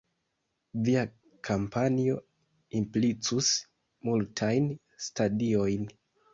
Via kampanjo implicus multajn stadiojn.